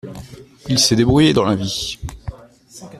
Il s’est débrouillé dans la vie.